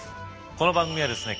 この番組はですね